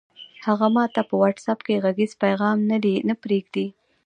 هغه ماته په وټس اپ کې غږیز پیغام نه پرېږدي!